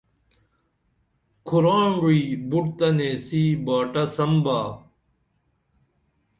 کُھر آنگوعی بُٹ تہ نیسی باٹہ سم با